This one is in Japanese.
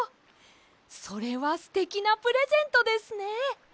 それはすてきなプレゼントですね。